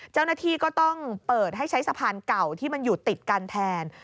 เจ้าหน้าที่ก็ต้องเปิดให้ใช้สะพานเก่าที่มันอยู่ติดกันแทน